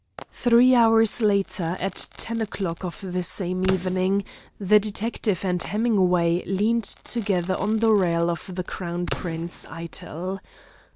Three hours later, at ten o' clock of the same evening, the detective and Hemingway leaned together on the rail of the Crown Prince Eitel.